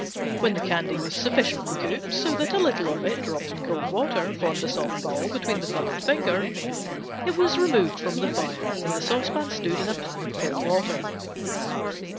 When the candy was sufficiently cooked, so that a little of it, dropped in cold water, formed a soft ball between the thumb and finger, it was removed from the fire and the saucepan stood in a pan of cold water.